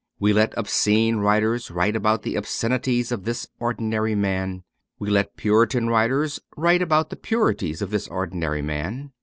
We let obscene writers write about the obscenities of this ordinary man. We let puritan writers write about the purities of this ordinary man.